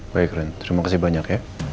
baik ren terima kasih banyak ya